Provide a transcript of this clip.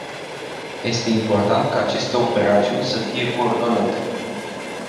Este important ca aceste operațiuni să fie coordonate.